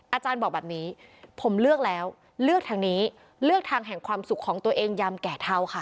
อาจารย์บอกแบบนี้ผมเลือกแล้วเลือกทางนี้เลือกทางแห่งความสุขของตัวเองยามแก่เท่าค่ะ